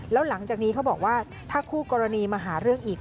แล้วหลังจากนี้เขาบอกว่าถ้าคู่กรณีมาหาเรื่องอีก